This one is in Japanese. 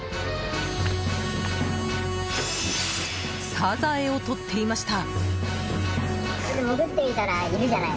サザエをとっていました。